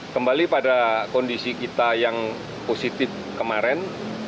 kembali pada kondisi kita yang positif kemarin